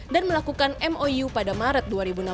dan melakukan mou pada maret dua ribu enam belas